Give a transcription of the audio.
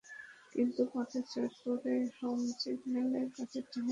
কিন্তু পথে সৈয়দপুর হোম সিগন্যালের কাছে ট্রেনের পেছনের দুটি বগি লাইনচ্যুত হয়।